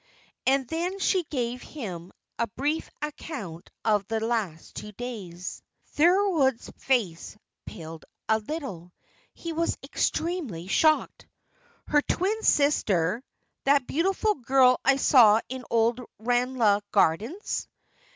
And then she gave him a brief account of the last two days. Thorold's face paled a little. He was extremely shocked. "Her twin sister that beautiful girl I saw in Old Ranelagh gardens?"